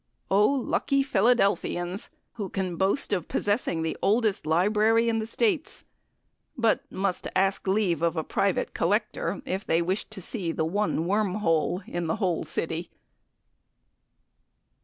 Oh! lucky Philadelphians! who can boast of possessing the oldest library in the States, but must ask leave of a private collector if they wish to see the one wormhole in the whole city!